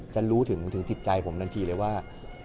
จะรู้ถึงถึงสิทธิ์ใจผมทันทีเลยว่า